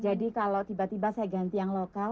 jangan lagi seterasa asal asal